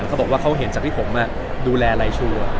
เขาบอกว่าเขาเห็นจากที่ผมดูแลลายชัวร์